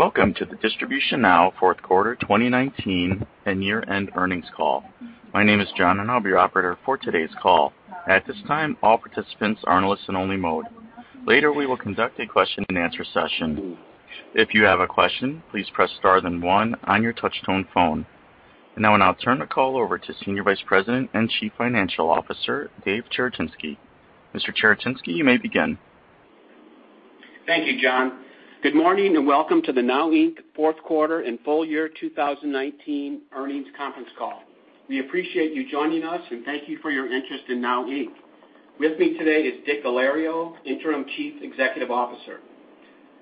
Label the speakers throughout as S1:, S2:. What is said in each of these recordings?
S1: Welcome to the DistributionNOW fourth quarter 2019 and year-end earnings call. My name is John, and I'll be your operator for today's call. At this time, all participants are in listen-only mode. Later, we will conduct a question-and-answer session. If you have a question, please press star then one on your touch-tone phone. I'll now turn the call over to Senior Vice President and Chief Financial Officer, Dave Cherechinsky. Mr. Cherechinsky, you may begin.
S2: Thank you, John. Good morning, and welcome to the NOW Inc. fourth quarter and full year 2019 earnings conference call. We appreciate you joining us, and thank you for your interest in NOW Inc. With me today is Dick Alario, Interim Chief Executive Officer.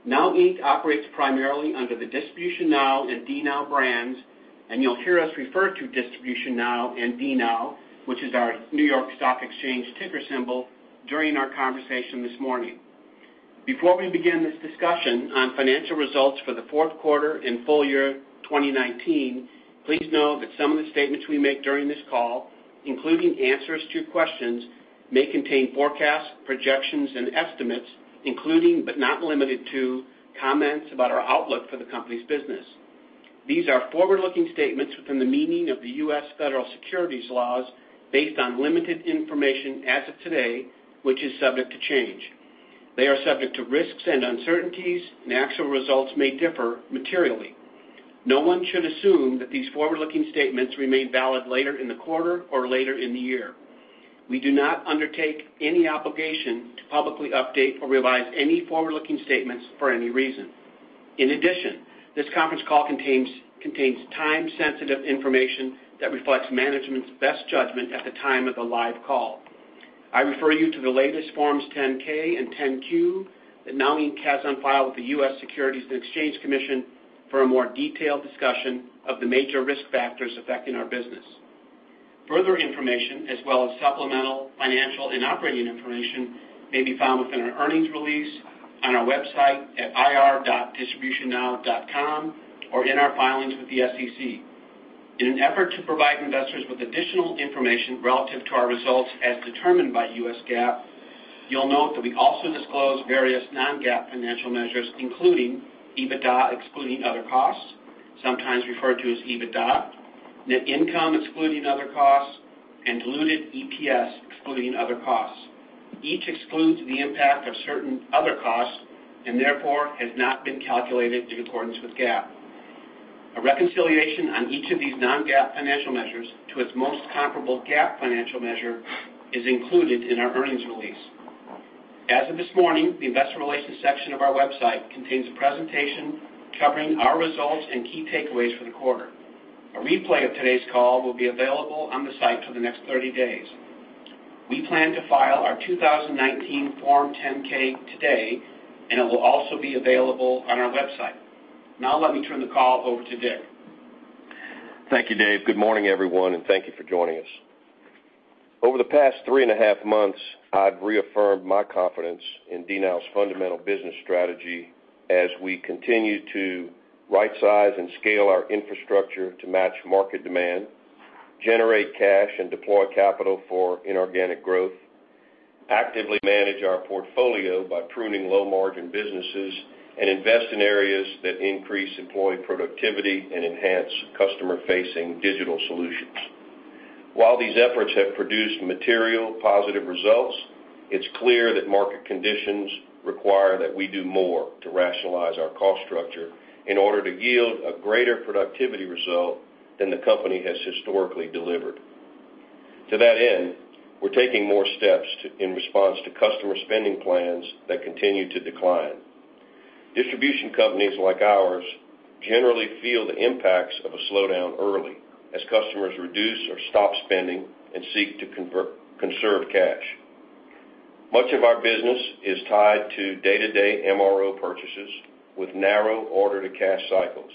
S2: NOW Inc. operates primarily under the DistributionNOW and DNOW brands, and you'll hear us refer to DistributionNOW and DNOW, which is our New York Stock Exchange ticker symbol, during our conversation this morning. Before we begin this discussion on financial results for the fourth quarter and full year 2019, please know that some of the statements we make during this call, including answers to questions, may contain forecasts, projections, and estimates including, but not limited to, comments about our outlook for the company's business. These are forward-looking statements within the meaning of the U.S. Federal Securities Laws based on limited information as of today, which is subject to change. They are subject to risks and uncertainties, and actual results may differ materially. No one should assume that these forward-looking statements remain valid later in the quarter or later in the year. We do not undertake any obligation to publicly update or revise any forward-looking statements for any reason. In addition, this conference call contains time-sensitive information that reflects management's best judgment at the time of the live call. I refer you to the latest Forms 10-K and 10-Q that NOW Inc. has on file with the U.S. Securities and Exchange Commission for a more detailed discussion of the major risk factors affecting our business. Further information as well as supplemental financial and operating information may be found within our earnings release on our website at ir.distributionnow.com or in our filings with the SEC. In an effort to provide investors with additional information relative to our results as determined by U.S. GAAP, you'll note that we also disclose various non-GAAP financial measures, including EBITDA excluding other costs, sometimes referred to as EBITDA, net income excluding other costs, and diluted EPS excluding other costs. Each excludes the impact of certain other costs and therefore has not been calculated in accordance with GAAP. A reconciliation on each of these non-GAAP financial measures to its most comparable GAAP financial measure is included in our earnings release. As of this morning, the investor relations section of our website contains a presentation covering our results and key takeaways for the quarter. A replay of today's call will be available on the site for the next 30 days. We plan to file our 2019 Form 10-K today, and it will also be available on our website. Now let me turn the call over to Dick.
S3: Thank you, Dave. Good morning, everyone, and thank you for joining us. Over the past three and a half months, I've reaffirmed my confidence in DNOW's fundamental business strategy as we continue to rightsize and scale our infrastructure to match market demand, generate cash, and deploy capital for inorganic growth, actively manage our portfolio by pruning low-margin businesses, and invest in areas that increase employee productivity and enhance customer-facing digital solutions. While these efforts have produced material positive results, it's clear that market conditions require that we do more to rationalize our cost structure in order to yield a greater productivity result than the company has historically delivered. To that end, we're taking more steps in response to customer spending plans that continue to decline. Distribution companies like ours generally feel the impacts of a slowdown early as customers reduce or stop spending and seek to conserve cash. Much of our business is tied to day-to-day MRO purchases with narrow order-to-cash cycles.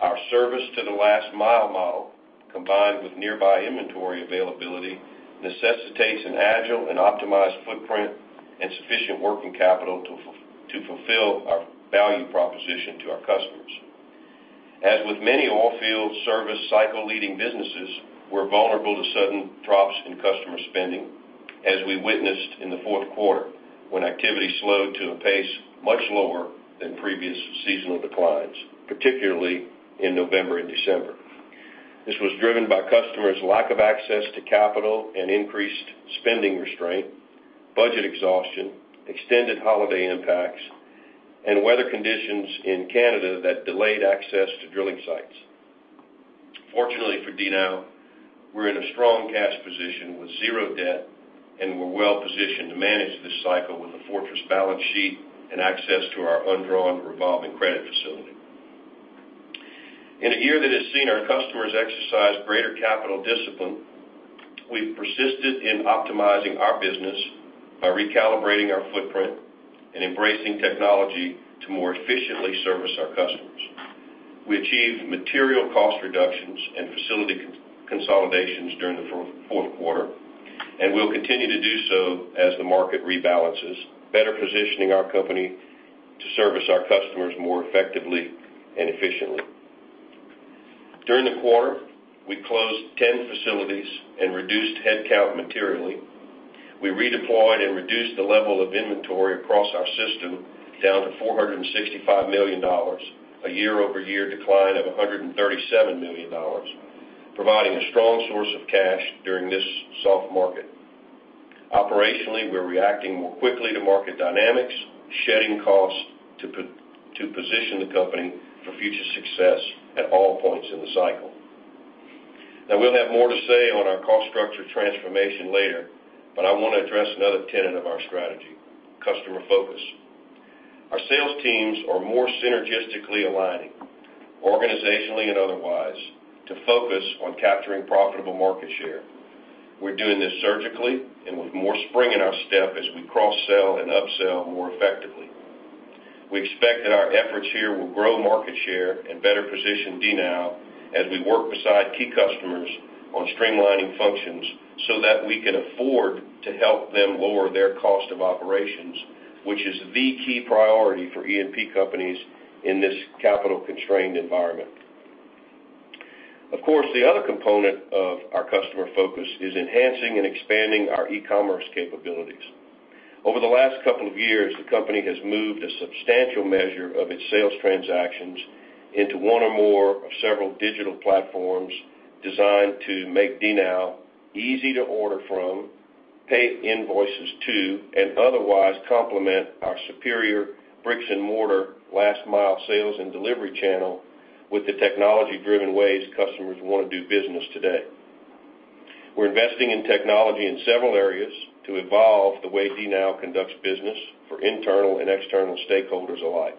S3: Our service to the last mile model, combined with nearby inventory availability, necessitates an agile and optimized footprint and sufficient working capital to fulfill our value proposition to our customers. As with many oil field service cycle-leading businesses, we're vulnerable to sudden drops in customer spending, as we witnessed in the fourth quarter when activity slowed to a pace much lower than previous seasonal declines, particularly in November and December. This was driven by customers' lack of access to capital and increased spending restraint, budget exhaustion, extended holiday impacts, and weather conditions in Canada that delayed access to drilling sites. Fortunately for DNOW, we're in a strong cash position with zero debt, and we're well-positioned to manage this cycle with a fortress balance sheet and access to our undrawn revolving credit facility. In a year that has seen our customers exercise greater capital discipline, we've persisted in optimizing our business by recalibrating our footprint and embracing technology to more efficiently service our customers. We achieved material cost reductions and facility consolidations during the fourth quarter, and we'll continue to do so as the market rebalances, better positioning our company to service our customers more effectively and efficiently. During the quarter, we closed 10 facilities and reduced headcount materially. We redeployed and reduced the level of inventory across our system down to $465 million, a year-over-year decline of $137 million, providing a strong source of cash during this soft market. Operationally, we're reacting more quickly to market dynamics, shedding costs to position the company for future success at all points in the cycle. Now, we'll have more to say on our cost structure transformation later, but I want to address another tenet of our strategy, customer focus. Our sales teams are more synergistically aligning, organizationally and otherwise, to focus on capturing profitable market share. We're doing this surgically and with more spring in our step as we cross-sell and upsell more effectively. We expect that our efforts here will grow market share and better position DNOW as we work beside key customers on streamlining functions so that we can afford to help them lower their cost of operations, which is the key priority for E&P companies in this capital-constrained environment. Of course, the other component of our customer focus is enhancing and expanding our e-commerce capabilities. Over the last couple of years, the company has moved a substantial measure of its sales transactions into one or more of several digital platforms designed to make DNOW easy to order from, pay invoices to, and otherwise complement our superior bricks-and-mortar last-mile sales and delivery channel with the technology-driven ways customers want to do business today. We're investing in technology in several areas to evolve the way DNOW conducts business for internal and external stakeholders alike.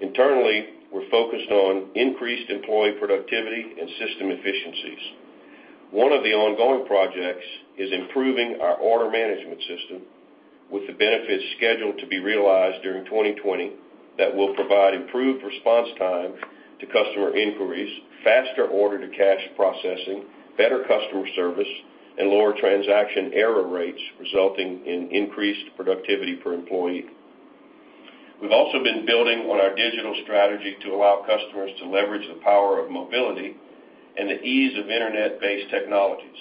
S3: Internally, we're focused on increased employee productivity and system efficiencies. One of the ongoing projects is improving our order management system with the benefits scheduled to be realized during 2020 that will provide improved response time to customer inquiries, faster order-to-cash processing, better customer service, and lower transaction error rates, resulting in increased productivity per employee. We've also been building on our digital strategy to allow customers to leverage the power of mobility and the ease of internet-based technologies.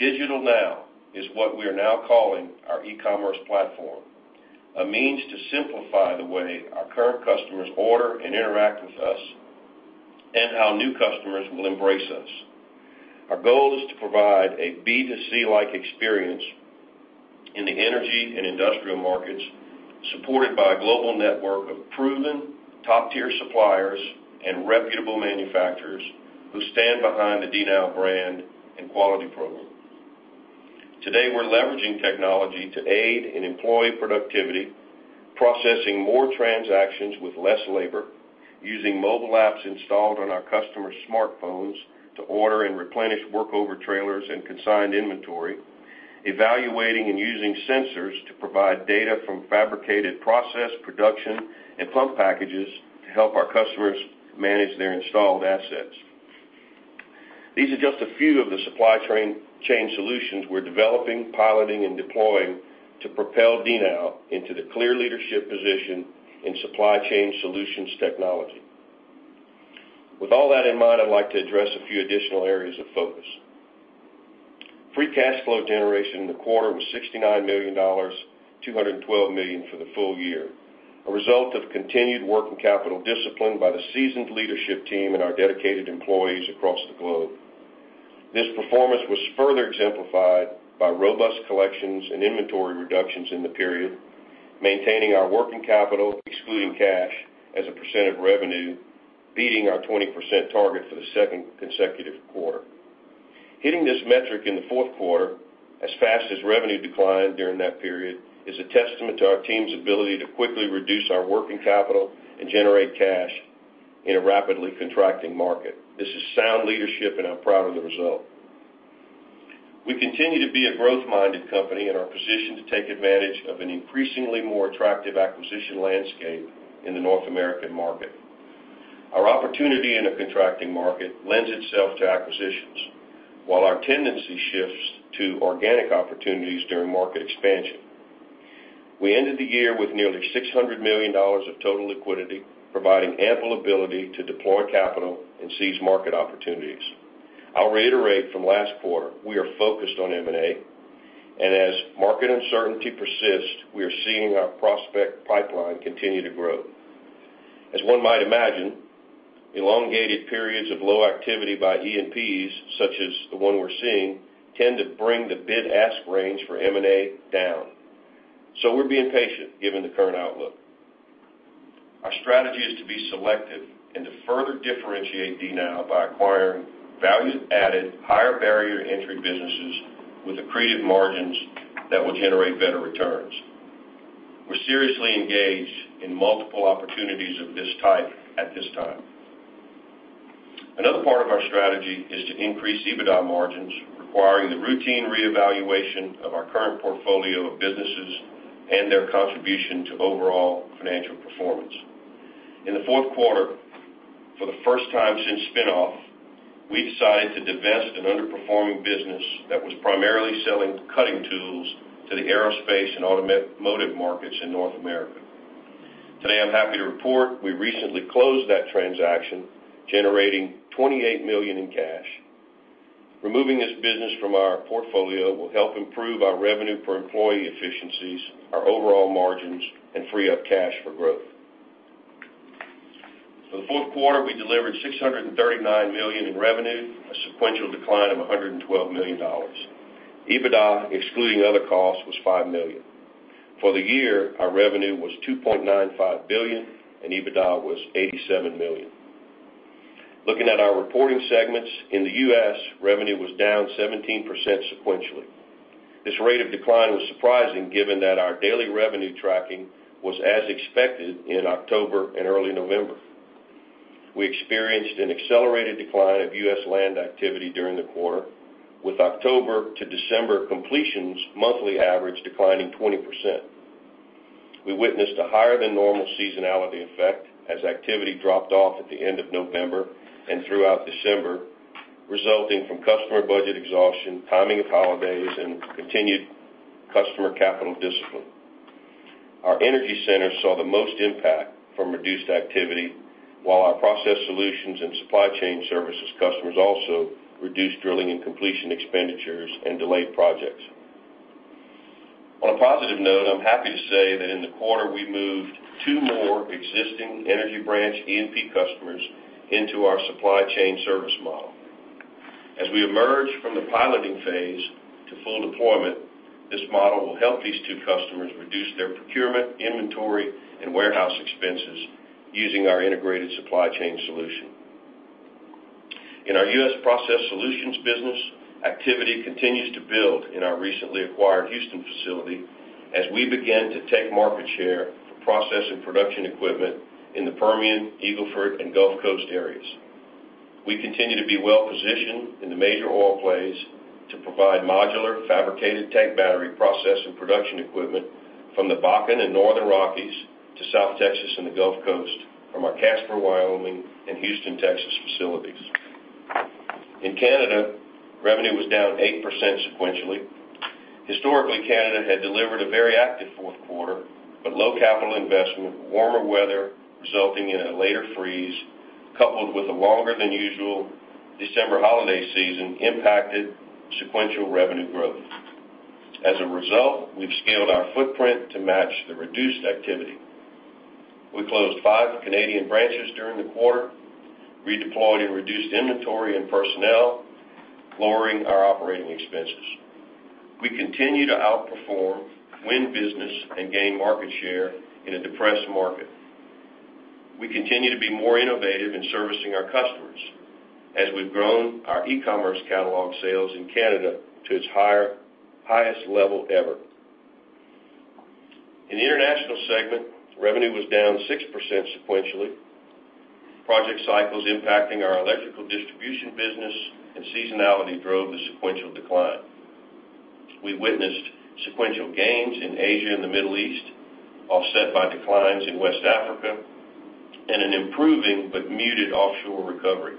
S3: DigitalNOW is what we are now calling our e-commerce platform, a means to simplify the way our current customers order and interact with us and how new customers will embrace us. Our goal is to provide a B2C-like experience in the energy and industrial markets, supported by a global network of proven top-tier suppliers and reputable manufacturers who stand behind the DNOW brand and quality program. Today, we're leveraging technology to aid in employee productivity, processing more transactions with less labor, using mobile apps installed on our customers' smartphones to order and replenish workover trailers and consigned inventory, evaluating and using sensors to provide data from fabricated process, production, and pump packages to help our customers manage their installed assets. These are just a few of the supply chain solutions we're developing, piloting, and deploying to propel DNOW into the clear leadership position in supply chain solutions technology. With all that in mind, I'd like to address a few additional areas of focus. Free cash flow generation in the quarter was $69 million, $212 million for the full year, a result of continued working capital discipline by the seasoned leadership team and our dedicated employees across the globe. This performance was further exemplified by robust collections and inventory reductions in the period, maintaining our working capital, excluding cash as a percent of revenue, beating our 20% target for the second consecutive quarter. Hitting this metric in the fourth quarter as fast as revenue declined during that period is a testament to our team's ability to quickly reduce our working capital and generate cash in a rapidly contracting market. This is sound leadership, and I'm proud of the result. We continue to be a growth-minded company and are positioned to take advantage of an increasingly more attractive acquisition landscape in the North American market. Our opportunity in a contracting market lends itself to acquisitions, while our tendency shifts to organic opportunities during market expansion. We ended the year with nearly $600 million of total liquidity, providing ample ability to deploy capital and seize market opportunities. I'll reiterate from last quarter, we are focused on M&A, and as market uncertainty persists, we are seeing our prospect pipeline continue to grow. As one might imagine, elongated periods of low activity by E&Ps, such as the one we're seeing, tend to bring the bid-ask range for M&A down. We're being patient given the current outlook. Our strategy is to be selective and to further differentiate DNOW by acquiring value-added, higher barrier-to-entry businesses with accretive margins that will generate better returns. We're seriously engaged in multiple opportunities of this type at this time. Another part of our strategy is to increase EBITDA margins, requiring the routine reevaluation of our current portfolio of businesses and their contribution to overall financial performance. In the fourth quarter, for the first time since spin-off, we decided to divest an underperforming business that was primarily selling cutting tools to the aerospace and automotive markets in North America. Today, I'm happy to report we recently closed that transaction, generating $28 million in cash. Removing this business from our portfolio will help improve our revenue per employee efficiencies, our overall margins, and free up cash for growth. For the fourth quarter, we delivered $639 million in revenue, a sequential decline of $112 million. EBITDA, excluding other costs, was $5 million. For the year, our revenue was $2.95 billion, and EBITDA was $87 million. Looking at our reporting segments, in the U.S., revenue was down 17% sequentially. This rate of decline was surprising, given that our daily revenue tracking was as expected in October and early November. We experienced an accelerated decline of U.S. land activity during the quarter, with October to December completions monthly average declining 20%. We witnessed a higher than normal seasonality effect as activity dropped off at the end of November and throughout December, resulting from customer budget exhaustion, timing of holidays, and continued customer capital discipline. Our US Energy Centers saw the most impact from reduced activity, while our US Process Solutions and US Supply Chain Services customers also reduced drilling and completion expenditures and delayed projects. On a positive note, I'm happy to say that in the quarter, we moved two more existing energy branch E&P customers into our supply chain service model. As we emerge from the piloting phase to full deployment, this model will help these two customers reduce their procurement, inventory, and warehouse expenses using our integrated supply chain solution. In our US Process Solutions business, activity continues to build in our recently acquired Houston facility as we begin to take market share for process and production equipment in the Permian, Eagle Ford, and Gulf Coast areas. We continue to be well positioned in the major oil plays to provide modular fabricated tank battery process and production equipment from the Bakken and Northern Rockies to South Texas and the Gulf Coast from our Casper, Wyoming and Houston, Texas facilities. In Canada, revenue was down 8% sequentially. Historically, Canada had delivered a very active fourth quarter, but low capital investment, warmer weather resulting in a later freeze, coupled with a longer than usual December holiday season impacted sequential revenue growth. As a result, we've scaled our footprint to match the reduced activity. We closed five Canadian branches during the quarter, redeployed and reduced inventory and personnel, lowering our operating expenses. We continue to outperform, win business, and gain market share in a depressed market. We continue to be more innovative in servicing our customers as we've grown our e-commerce catalog sales in Canada to its highest level ever. In the international segment, revenue was down 6% sequentially. Project cycles impacting our electrical distribution business and seasonality drove the sequential decline. We witnessed sequential gains in Asia and the Middle East, offset by declines in West Africa and an improving but muted offshore recovery.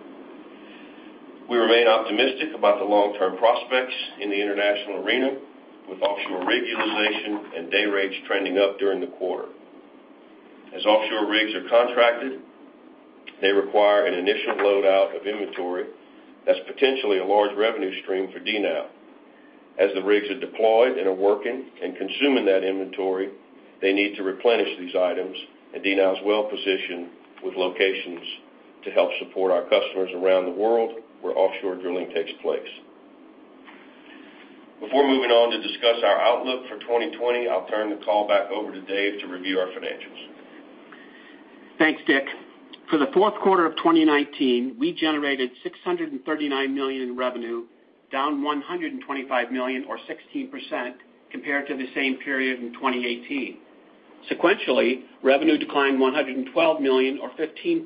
S3: We remain optimistic about the long-term prospects in the international arena, with offshore rig utilization and day rates trending up during the quarter. As offshore rigs are contracted, they require an initial load-out of inventory that's potentially a large revenue stream for DNOW. As the rigs are deployed and are working and consuming that inventory, they need to replenish these items, and DNOW is well positioned with locations to help support our customers around the world where offshore drilling takes place. Before moving on to discuss our outlook for 2020, I'll turn the call back over to Dave to review our financials.
S2: Thanks, Dick. For the fourth quarter of 2019, we generated $639 million in revenue, down $125 million or 16% compared to the same period in 2018. Sequentially, revenue declined $112 million or 15%.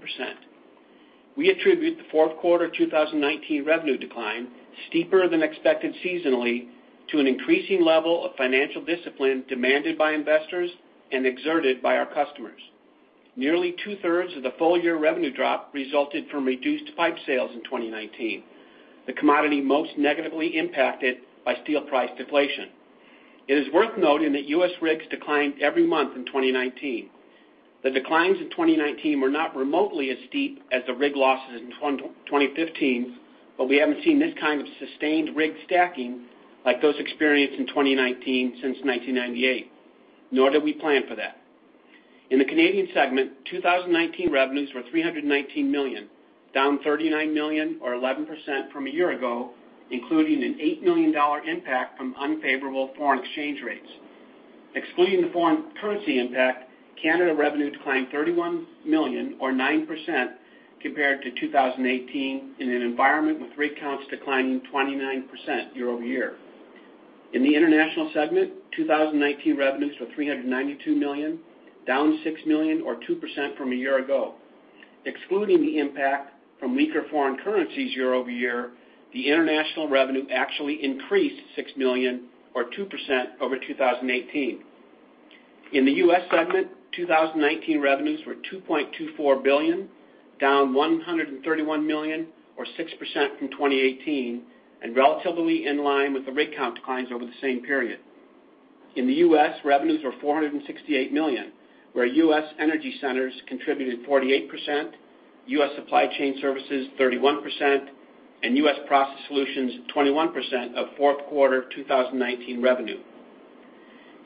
S2: We attribute the fourth quarter 2019 revenue decline, steeper than expected seasonally, to an increasing level of financial discipline demanded by investors and exerted by our customers. Nearly two-thirds of the full-year revenue drop resulted from reduced pipe sales in 2019, the commodity most negatively impacted by steel price deflation. It is worth noting that U.S. rigs declined every month in 2019. The declines in 2019 were not remotely as steep as the rig losses in 2015, but we haven't seen this kind of sustained rig stacking like those experienced in 2019 since 1998, nor did we plan for that. In the Canadian segment, 2019 revenues were $319 million, down $39 million or 11% from a year ago, including an $8 million impact from unfavorable foreign exchange rates. Excluding the foreign currency impact, Canada revenue declined $31 million or 9% compared to 2018 in an environment with rig counts declining 29% year-over-year. In the international segment, 2019 revenues were $392 million, down $6 million or 2% from a year ago. Excluding the impact from weaker foreign currencies year-over-year, the international revenue actually increased $6 million or 2% over 2018. In the U.S. segment, 2019 revenues were $2.24 billion, down $131 million or 6% from 2018, and relatively in line with the rig count declines over the same period. In the U.S., revenues were $468 million, where US Energy Centers contributed 48%, US Supply Chain Services 31%, and US Process Solutions 21% of fourth quarter 2019 revenue.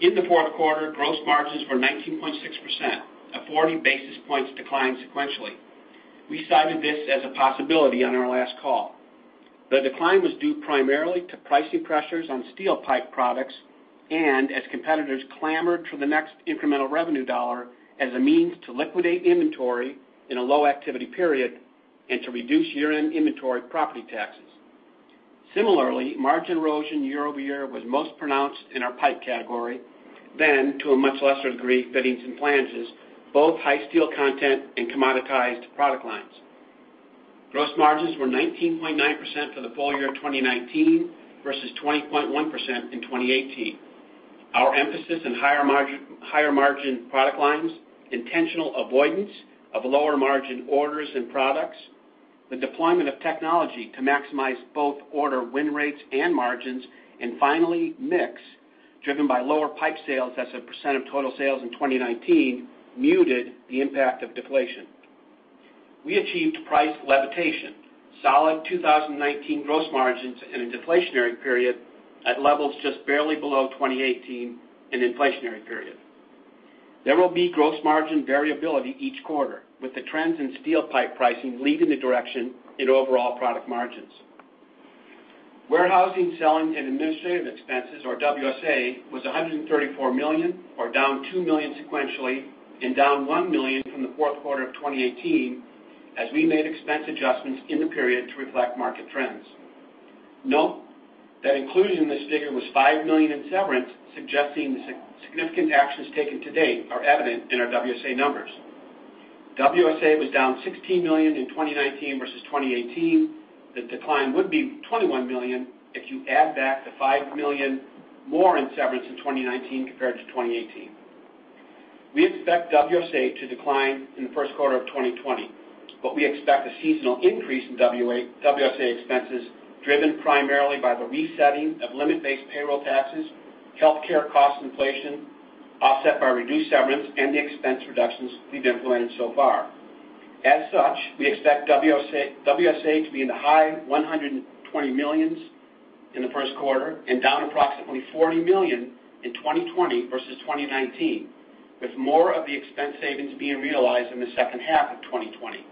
S2: In the fourth quarter, gross margins were 19.6%, a 40 basis points decline sequentially. We cited this as a possibility on our last call. The decline was due primarily to pricing pressures on steel pipe products and as competitors clamored for the next incremental revenue dollar as a means to liquidate inventory in a low activity period and to reduce year-end inventory property taxes. Similarly, margin erosion year-over-year was most pronounced in our pipe category, then to a much lesser degree, fittings and flanges, both high steel content and commoditized product lines. Gross margins were 19.9% for the full year 2019 versus 20.1% in 2018. Our emphasis in higher margin product lines, intentional avoidance of lower margin orders and products, the deployment of technology to maximize both order win rates and margins, and finally, mix, driven by lower pipe sales as a % of total sales in 2019, muted the impact of deflation. We achieved price levitation, solid 2019 gross margins in a deflationary period at levels just barely below 2018 in an inflationary period. There will be gross margin variability each quarter, with the trends in steel pipe pricing leading the direction in overall product margins. Warehousing, selling, and administrative expenses or WSA, was $134 million, or down $2 million sequentially and down $1 million from the fourth quarter of 2018, as we made expense adjustments in the period to reflect market trends. Note that included in this figure was $5 million in severance, suggesting the significant actions taken to date are evident in our WSA numbers. WSA was down $16 million in 2019 versus 2018. The decline would be $21 million if you add back the $5 million more in severance in 2019 compared to 2018. We expect WSA to decline in the first quarter of 2020, but we expect a seasonal increase in WSA expenses driven primarily by the resetting of limit-based payroll taxes, healthcare cost inflation, offset by reduced severance and the expense reductions we've implemented so far. As such, we expect WSA to be in the high $120 millions in the first quarter and down approximately $40 million in 2020 versus 2019, with more of the expense savings being realized in the second half of 2020.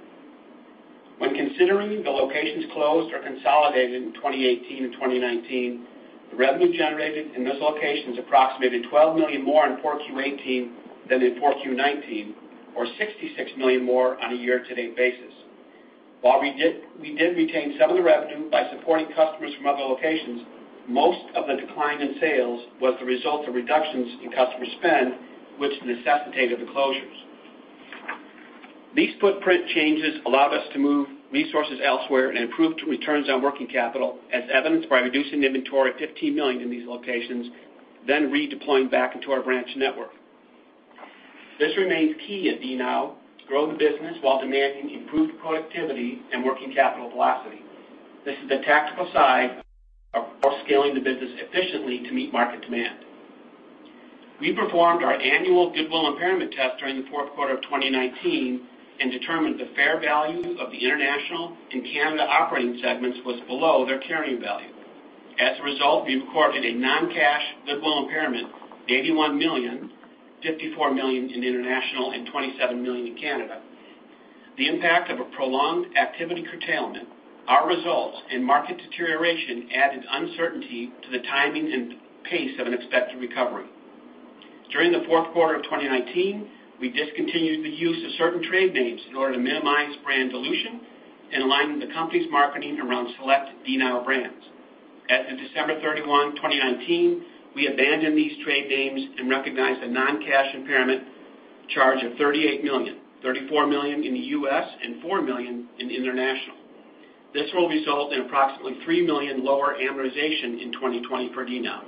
S2: When considering the locations closed or consolidated in 2018 and 2019, the revenue generated in those locations approximated $12 million more in 4Q '18 than in 4Q '19, or $66 million more on a year-to-date basis. While we did retain some of the revenue by supporting customers from other locations, most of the decline in sales was the result of reductions in customer spend, which necessitated the closures. These footprint changes allowed us to move resources elsewhere and improved returns on working capital, as evidenced by reducing inventory of $15 million in these locations, then redeploying back into our branch network. This remains key at DNOW, grow the business while demanding improved productivity and working capital velocity. This is the tactical side of scaling the business efficiently to meet market demand. We performed our annual goodwill impairment test during the fourth quarter of 2019 and determined the fair value of the International and Canada operating segments was below their carrying value. As a result, we've recorded a non-cash goodwill impairment of $81 million, $54 million in International and $27 million in Canada. The impact of a prolonged activity curtailment, our results, and market deterioration added uncertainty to the timing and pace of an expected recovery. During the fourth quarter of 2019, we discontinued the use of certain trade names in order to minimize brand dilution and align the company's marketing around select DNOW brands. As of December 31, 2019, we abandoned these trade names and recognized a non-cash impairment charge of $38 million, $34 million in the U.S. and $4 million in the International. This will result in approximately $3 million lower amortization in 2020 for DNOW.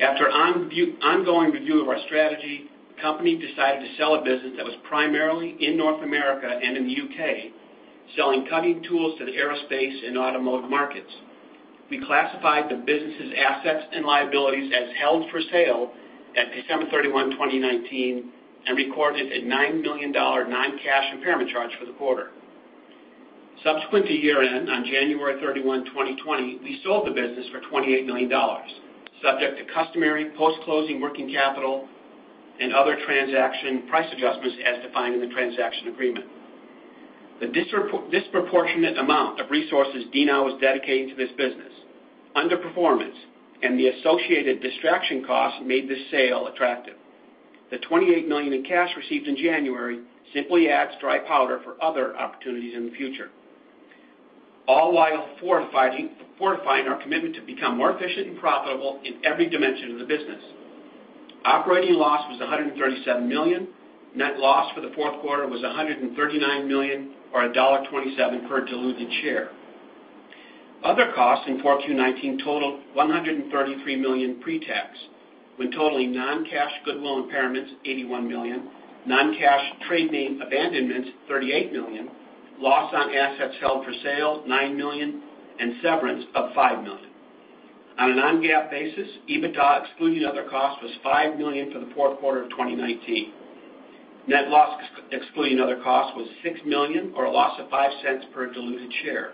S2: After ongoing review of our strategy, the company decided to sell a business that was primarily in North America and in the U.K., selling cutting tools to the aerospace and automotive markets. We classified the business's assets and liabilities as held for sale at December 31, 2019, and recorded a $9 million non-cash impairment charge for the quarter. Subsequent to year-end, on January 31, 2020, we sold the business for $28 million, subject to customary post-closing working capital and other transaction price adjustments as defined in the transaction agreement. The disproportionate amount of resources DNOW was dedicating to this business, underperformance, and the associated distraction cost made this sale attractive. The $28 million in cash received in January simply adds dry powder for other opportunities in the future, all while fortifying our commitment to become more efficient and profitable in every dimension of the business. Operating loss was $137 million. Net loss for the fourth quarter was $139 million or $1.27 per diluted share. Other costs in four Q19 totaled $133 million pre-tax, when totaling non-cash goodwill impairments, $81 million, non-cash trade name abandonments, $38 million, loss on assets held for sale, $9 million, and severance of $5 million. On a non-GAAP basis, EBITDA, excluding other costs, was $5 million for the fourth quarter of 2019. Net loss, excluding other costs, was $6 million or a loss of $0.05 per diluted share.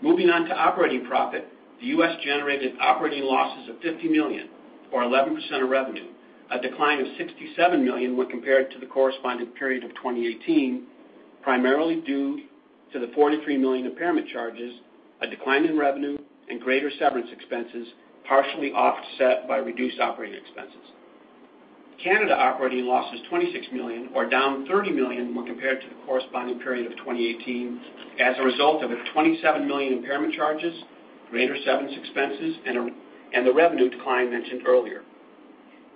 S2: Moving on to operating profit, the U.S. generated operating losses of $50 million or 11% of revenue, a decline of $67 million when compared to the corresponding period of 2018, primarily due to the $43 million impairment charges, a decline in revenue, and greater severance expenses, partially offset by reduced operating expenses. Canada operating loss was $26 million or down $30 million when compared to the corresponding period of 2018 as a result of a $27 million impairment charges, greater severance expenses, and the revenue decline mentioned earlier.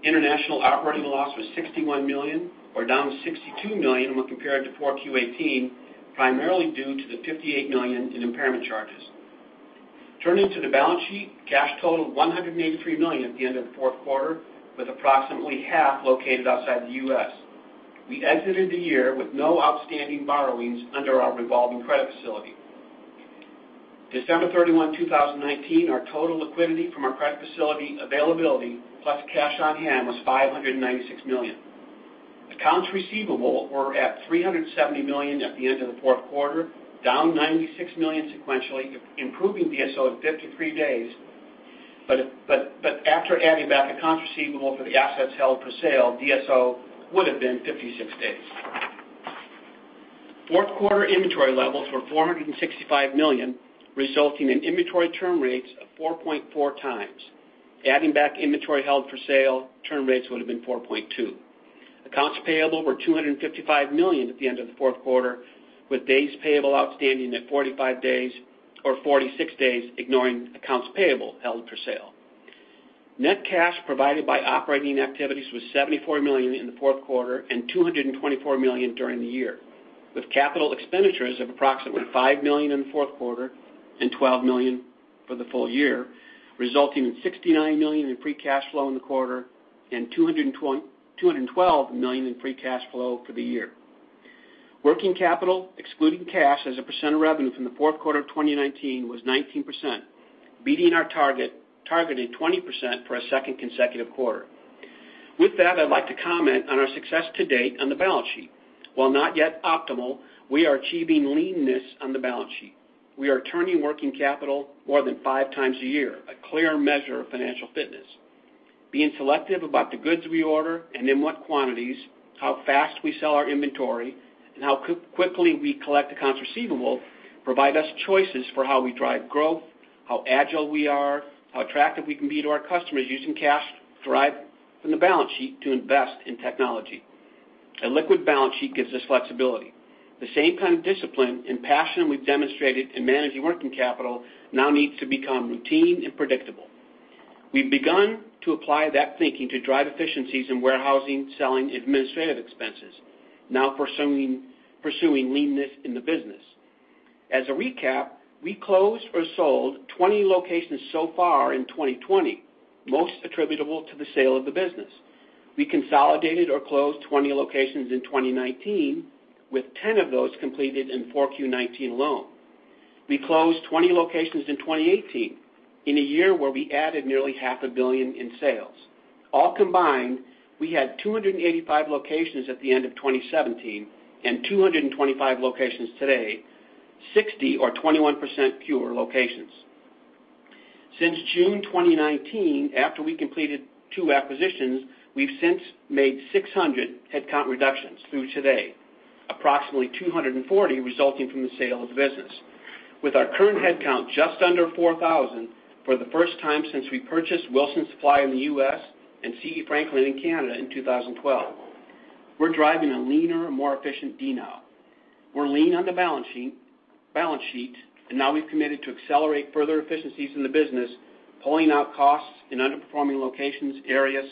S2: International operating loss was $61 million or down $62 million when compared to 4Q18, primarily due to the $58 million in impairment charges. Turning to the balance sheet, cash totaled $183 million at the end of the fourth quarter, with approximately half located outside the U.S. We exited the year with no outstanding borrowings under our revolving credit facility. December 31, 2019, our total liquidity from our credit facility availability, plus cash on hand, was $596 million. Accounts receivable were at $370 million at the end of the fourth quarter, down $96 million sequentially, improving DSO to 53 days. After adding back accounts receivable for the assets held for sale, DSO would've been 56 days. Fourth quarter inventory levels were $465 million, resulting in inventory turn rates of 4.4 times. Adding back inventory held for sale, turn rates would've been 4.2. Accounts payable were $255 million at the end of the fourth quarter, with days payable outstanding at 45 days or 46 days, ignoring accounts payable held for sale. Net cash provided by operating activities was $74 million in the fourth quarter and $224 million during the year, with capital expenditures of approximately $5 million in the fourth quarter and $12 million for the full year, resulting in $69 million in free cash flow in the quarter and $212 million in free cash flow for the year. Working capital, excluding cash as a % of revenue from the fourth quarter of 2019 was 19%, beating our targeted 20% for a second consecutive quarter. With that, I'd like to comment on our success to date on the balance sheet. While not yet optimal, we are achieving leanness on the balance sheet. We are turning working capital more than five times a year, a clear measure of financial fitness. Being selective about the goods we order and in what quantities, how fast we sell our inventory, and how quickly we collect accounts receivable provide us choices for how we drive growth, how agile we are, how attractive we can be to our customers using cash derived from the balance sheet to invest in technology. A liquid balance sheet gives us flexibility. The same kind of discipline and passion we've demonstrated in managing working capital now needs to become routine and predictable. We've begun to apply that thinking to drive efficiencies in warehousing, selling, and administrative expenses, now pursuing leanness in the business. As a recap, we closed or sold 20 locations so far in 2020, most attributable to the sale of the business. We consolidated or closed 20 locations in 2019, with 10 of those completed in Q4 2019 alone. We closed 20 locations in 2018 in a year where we added nearly half a billion in sales. All combined, we had 285 locations at the end of 2017 and 225 locations today, 60 or 21% fewer locations. Since June 2019, after we completed two acquisitions, we've since made 600 headcount reductions through today, approximately 240 resulting from the sale of the business. With our current headcount just under 4,000, for the first time since we purchased Wilson Supply in the U.S. and C.D. Franklin in Canada in 2012, we're driving a leaner and more efficient DNOW. We're lean on the balance sheet, and now we've committed to accelerate further efficiencies in the business, pulling out costs in underperforming locations, areas,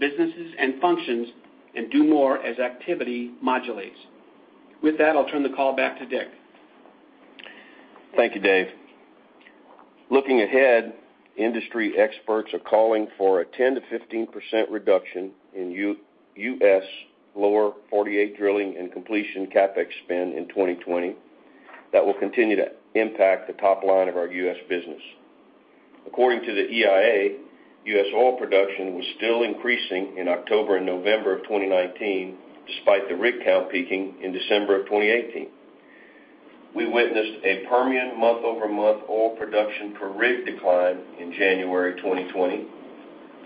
S2: businesses, and functions, and do more as activity modulates. With that, I'll turn the call back to Dick.
S3: Thank you, Dave. Looking ahead, industry experts are calling for a 10%-15% reduction in U.S. Lower 48 drilling and completion CapEx spend in 2020. That will continue to impact the top line of our U.S. business. According to the EIA, U.S. oil production was still increasing in October and November of 2019, despite the rig count peaking in December of 2018. We witnessed a Permian month-over-month oil production per rig decline in January 2020,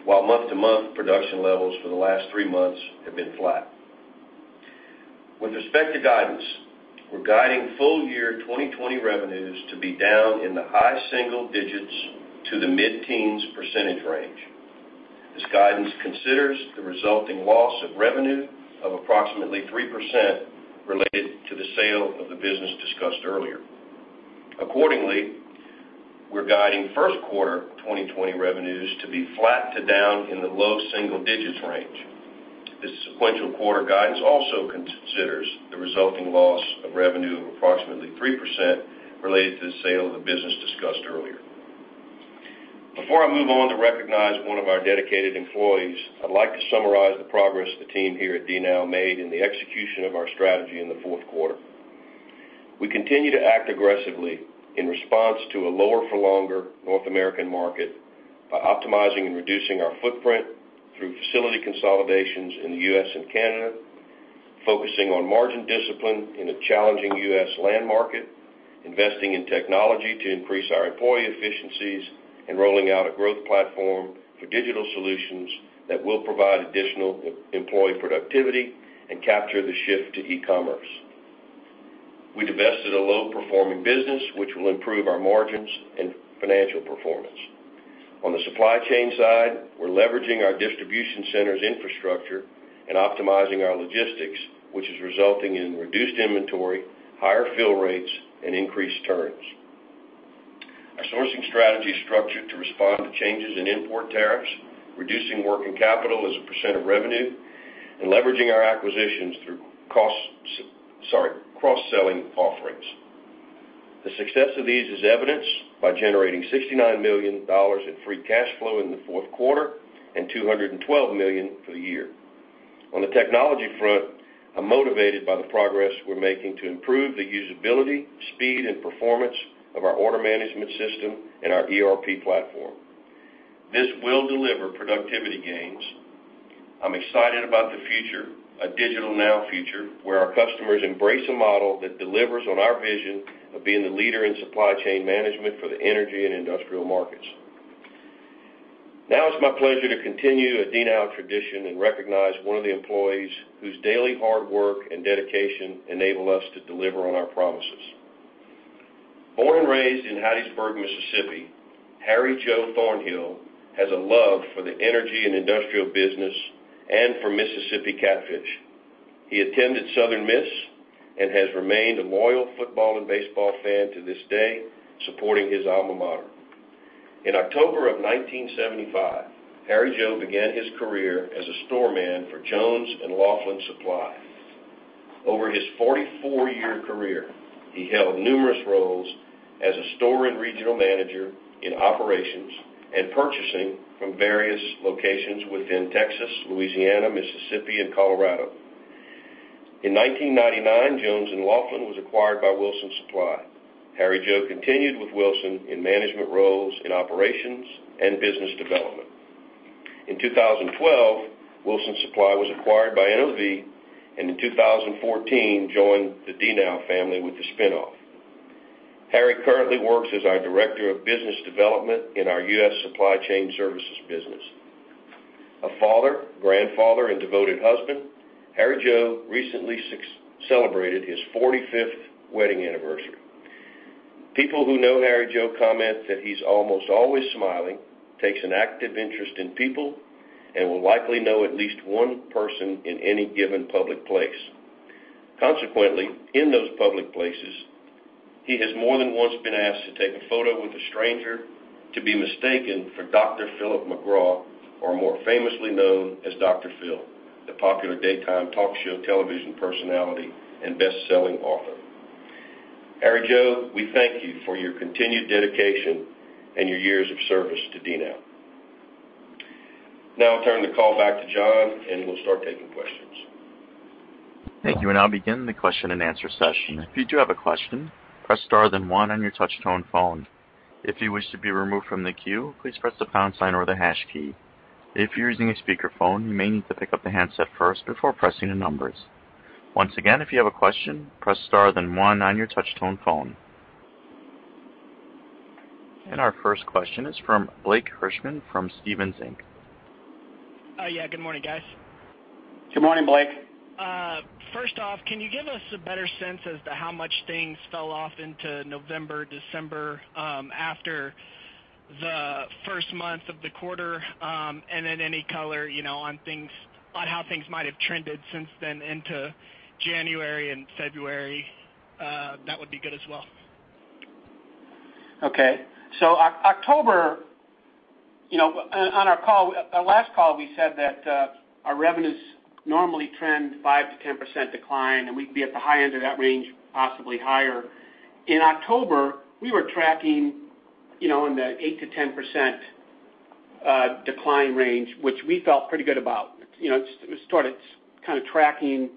S3: while month-to-month production levels for the last three months have been flat. With respect to guidance, we're guiding full year 2020 revenues to be down in the high single digits to the mid-teens % range. This guidance considers the resulting loss of revenue of approximately 3% related to the sale of the business discussed earlier. Accordingly, we're guiding first quarter 2020 revenues to be flat to down in the low single digits range. This sequential quarter guidance also considers the resulting loss of revenue of approximately 3% related to the sale of the business discussed earlier. Before I move on to recognize one of our dedicated employees, I'd like to summarize the progress the team here at DNOW made in the execution of our strategy in the fourth quarter. We continue to act aggressively in response to a lower-for-longer North American market by optimizing and reducing our footprint through facility consolidations in the U.S. and Canada, focusing on margin discipline in a challenging U.S. land market, investing in technology to increase our employee efficiencies, and rolling out a growth platform for digital solutions that will provide additional employee productivity and capture the shift to e-commerce. We divested a low-performing business, which will improve our margins and financial performance. On the supply chain side, we're leveraging our distribution centers' infrastructure and optimizing our logistics, which is resulting in reduced inventory, higher fill rates, and increased turns. Our sourcing strategy is structured to respond to changes in import tariffs, reducing working capital as a % of revenue, and leveraging our acquisitions through cross-selling offerings. The success of these is evidenced by generating $69 million in free cash flow in the fourth quarter and $212 million for the year. On the technology front, I'm motivated by the progress we're making to improve the usability, speed, and performance of our order management system and our ERP platform. This will deliver productivity gains. I'm excited about the future, a DigitalNOW future, where our customers embrace a model that delivers on our vision of being the leader in supply chain management for the energy and industrial markets. It's my pleasure to continue a DNOW tradition and recognize one of the employees whose daily hard work and dedication enable us to deliver on our promises. Born and raised in Hattiesburg, Mississippi, Harry Joe Thornhill has a love for the energy and industrial business and for Mississippi catfish. He attended Southern Miss and has remained a loyal football and baseball fan to this day, supporting his alma mater. In October of 1975, Harry Joe began his career as a store man for Jones & Laughlin Supply. Over his 44-year career, he held numerous roles as a store and regional manager in operations and purchasing from various locations within Texas, Louisiana, Mississippi, and Colorado. In 1999, Jones & Laughlin was acquired by Wilson Supply. Harry Joe continued with Wilson in management roles in operations and business development. In 2012, Wilson Supply was acquired by NOV, and in 2014, joined the DNOW family with the spinoff. Harry currently works as our Director of Business Development in our US Supply Chain Services business. A father, grandfather, and devoted husband, Harry Joe recently celebrated his 45th wedding anniversary. People who know Harry Joe comment that he's almost always smiling, takes an active interest in people, and will likely know at least one person in any given public place. Consequently, in those public places, he has more than once been asked to take a photo with a stranger to be mistaken for Dr. Phillip McGraw, or more famously known as Dr. Phil, the popular daytime talk show television personality and best-selling author. Harry Joe, we thank you for your continued dedication and your years of service to DNOW. Now I'll turn the call back to John, and we'll start taking questions.
S1: Thank you. We're now beginning the question and answer session. If you do have a question, press star then one on your touch tone phone. If you wish to be removed from the queue, please press the pound sign or the hash key. If you're using a speakerphone, you may need to pick up the handset first before pressing the numbers. Once again, if you have a question, press star then one on your touch tone phone. Our first question is from Blake Hirschman from Stephens Inc.
S4: Yeah, good morning, guys.
S3: Good morning, Blake.
S4: First off, can you give us a better sense as to how much things fell off into November, December, after the first months of the quarter? Any color on how things might have trended since then into January and February, that would be good as well.
S3: Okay. October, on our last call, we said that our revenues normally trend 5%-10% decline, and we'd be at the high end of that range, possibly higher. In October, we were tracking in the 8%-10% decline range, which we felt pretty good about. It started kind of tracking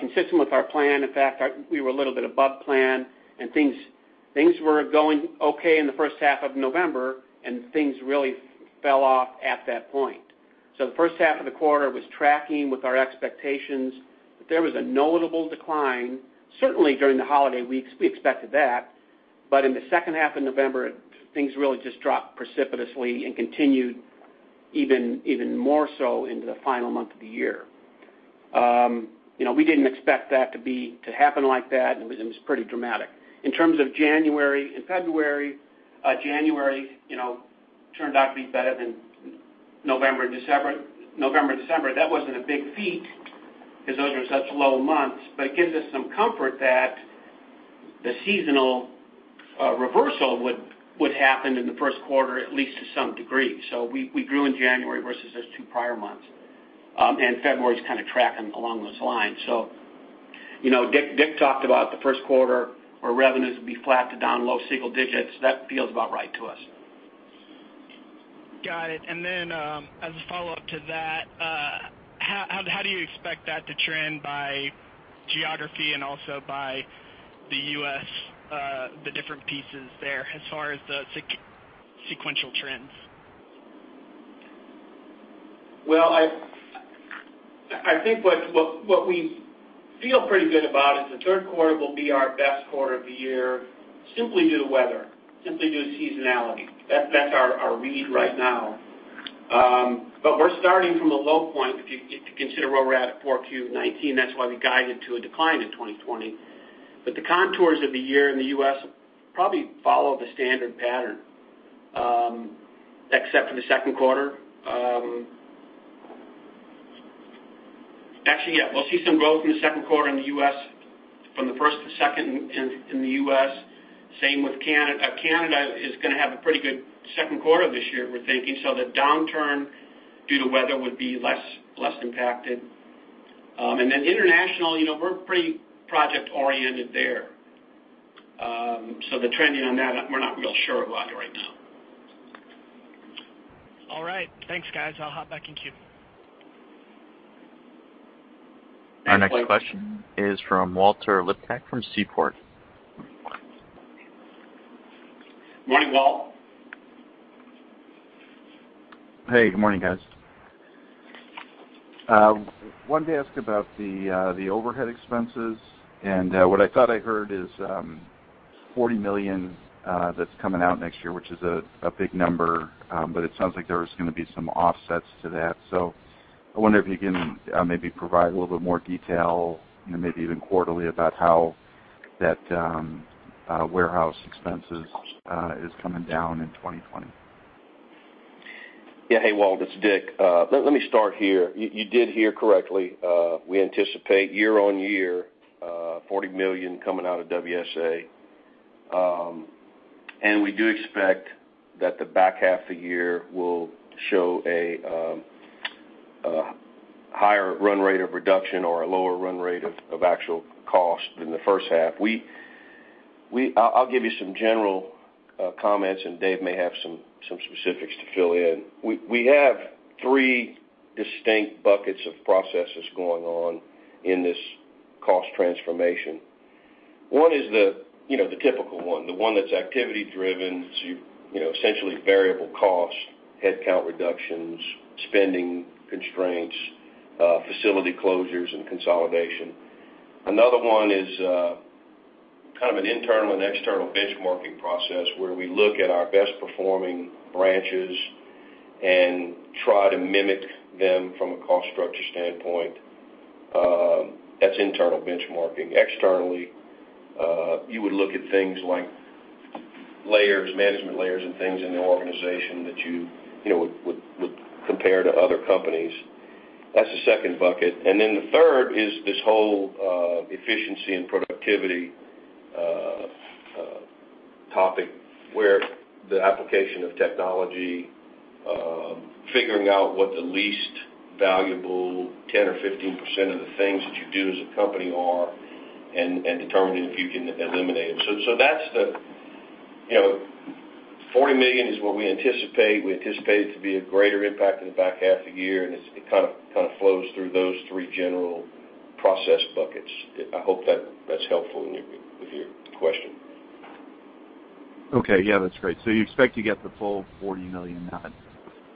S3: consistent with our plan. In fact, we were a little bit above plan, and things were going okay in the first half of November, and things really fell off at that point.
S2: The first half of the quarter was tracking with our expectations. There was a notable decline, certainly during the holiday weeks, we expected that. In the second half of November, things really just dropped precipitously and continued even more so into the final month of the year. We didn't expect that to happen like that, and it was pretty dramatic. In terms of January and February, January turned out to be better than November and December. That wasn't a big feat because those are such low months. It gives us some comfort that. The seasonal reversal would happen in the first quarter, at least to some degree. We grew in January versus those two prior months. February's kind of tracking along those lines. Dick talked about the first quarter, where revenues would be flat to down low single digits. That feels about right to us.
S4: Got it. Then, as a follow-up to that, how do you expect that to trend by geography and also by the U.S., the different pieces there as far as the sequential trends?
S2: Well, I think what we feel pretty good about is the third quarter will be our best quarter of the year, simply due to weather, simply due to seasonality. That's our read right now. We're starting from a low point, if you consider where we're at Q4 of 2019. That's why we guided to a decline in 2020. The contours of the year in the U.S. probably follow the standard pattern, except for the second quarter. Actually, yeah, we'll see some growth in the second quarter in the U.S. from the first to second in the U.S. Same with Canada. Canada is going to have a pretty good second quarter this year, we're thinking. The downturn due to weather would be less impacted. International, we're pretty project-oriented there. The trending on that, we're not real sure about it right now.
S4: All right. Thanks, guys. I'll hop back in queue.
S1: Thanks. Our next question is from Walter Liptak from Seaport.
S2: Morning, Walt.
S5: Hey, good morning, guys. Wanted to ask about the overhead expenses. What I thought I heard is $40 million that's coming out next year, which is a big number. It sounds like there is going to be some offsets to that. I wonder if you can maybe provide a little bit more detail, maybe even quarterly, about how that warehouse expenses is coming down in 2020.
S3: Hey, Walt, it's Dick. Let me start here. You did hear correctly. We anticipate year-on-year, $40 million coming out of WSA. We do expect that the back half of the year will show a higher run rate of reduction or a lower run rate of actual cost than the first half. I'll give you some general comments, and Dave may have some specifics to fill in. We have 3 distinct buckets of processes going on in this cost transformation. One is the typical one, the one that's activity-driven, it's essentially variable cost, headcount reductions, spending constraints, facility closures, and consolidation. Another one is kind of an internal and external benchmarking process where we look at our best-performing branches and try to mimic them from a cost structure standpoint. That's internal benchmarking. Externally, you would look at things like management layers and things in the organization that you would compare to other companies. That's the second bucket. The third is this whole efficiency and productivity topic where the application of technology, figuring out what the least valuable 10% or 15% of the things that you do as a company are, and determining if you can eliminate them. $40 million is what we anticipate. We anticipate it to be a greater impact in the back half of the year, and it kind of flows through those three general process buckets. I hope that's helpful with your question.
S5: Okay. Yeah, that's great. You expect to get the full $40 million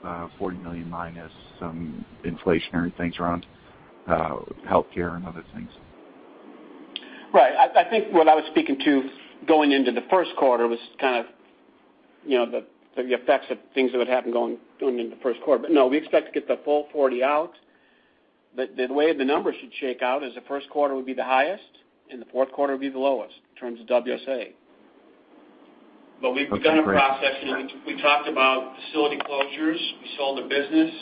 S5: out, $40 million minus some inflationary things around healthcare and other things.
S2: Right. I think what I was speaking to going into the first quarter was kind of the effects of things that would happen going into the first quarter. No, we expect to get the full 40 out. The way the numbers should shake out is the first quarter would be the highest, and the fourth quarter would be the lowest in terms of WSA.
S5: Okay, great.
S3: We've begun a process. We talked about facility closures. We sold a business,